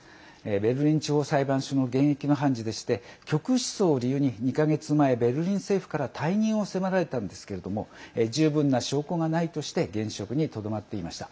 ベルリン地方裁判所の現役の判事でして極右思想を理由に、２か月前ベルリン政府から退任を迫られたんですけれども十分な証拠がないとして現職にとどまっていました。